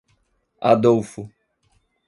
Adolfo